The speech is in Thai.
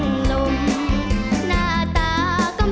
แต่ยังรักสังคม